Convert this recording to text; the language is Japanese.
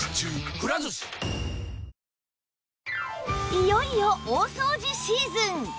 いよいよ大掃除シーズン！